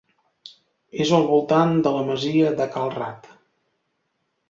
És al voltant de la masia de Cal Rat.